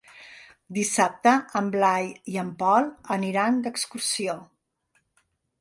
Dissabte en Blai i en Pol aniran d'excursió.